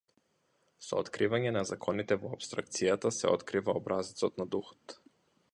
Со откривање на законите во апстракцијата се открива образецот на духот.